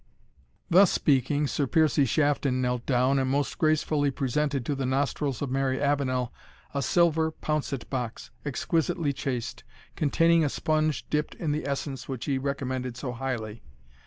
Thus speaking, Sir Piercie Shafton knelt down, and most gracefully presented to the nostrils of Mary Avenel a silver pouncet box, exquisitely chased, containing a sponge dipt in the essence which he recommmended so highly.